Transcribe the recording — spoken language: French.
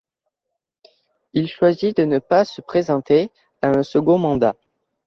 Il choisit de ne pas se présenter à un second mandat.